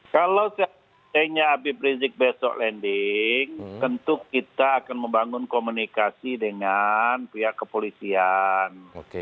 kalau seandainya habib rizik besok landing tentu kita akan membangun komunikasi dengan pihak kepolisian